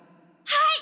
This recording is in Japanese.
はい！